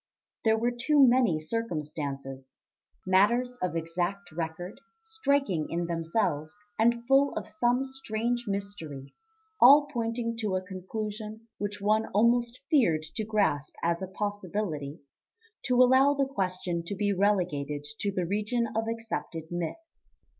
There were too many circumstances matters of exact record, striking in themselves and full of some strange mystery, all pointing to a conclusion which one almost feared to grasp as a possibility to allow the question to be relegated to the region of accepted myth.